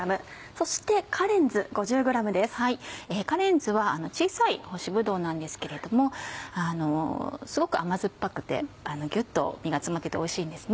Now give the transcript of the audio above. カレンズは小さい干しぶどうなんですけれどもすごく甘酸っぱくてギュっと実が詰まってておいしいんです。